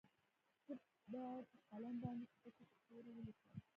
زه به په قلم باندې سپکې سپورې وليکم.